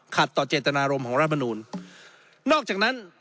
ต่อเจตนารมณ์ของรัฐมนูลนอกจากนั้น